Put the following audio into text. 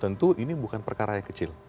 tentu ini bukan perkara yang kecil